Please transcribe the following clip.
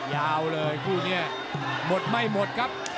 ยาวเลยคู่นี้หมดไม่หมดครับ